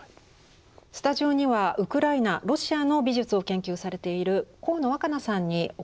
スタジオにはウクライナロシアの美術を研究されている鴻野わか菜さんにお越し頂きました。